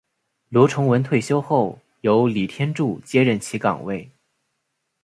罗崇文退休后由李天柱接任其岗位。